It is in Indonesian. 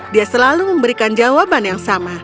dia selalu memberikan jawaban yang sama